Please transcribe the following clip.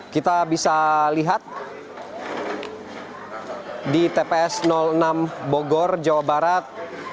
kita bisa lihat di tps enam bogor jawa barat